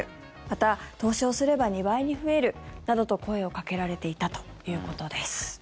また、投資をすれば２倍に増えるなどと声をかけられていたということです。